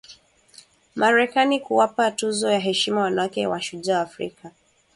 Marekani kuwapa tuzo ya heshima wanawake mashujaa wa Afrika